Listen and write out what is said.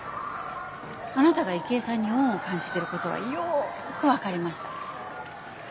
あなたが池井さんに恩を感じている事はよーくわかりました。